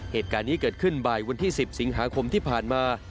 เหตุการณ์นี้เกิดขึ้นบ่ายวันที่๑๐สิงหาคมที่ผ่านมา